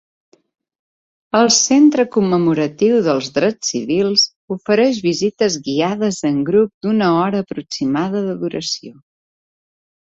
El centre commemoratiu dels drets civils ofereix visites guiades en grup d'una hora aproximada de duració.